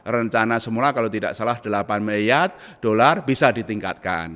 rencana semula kalau tidak salah delapan miliar dolar bisa ditingkatkan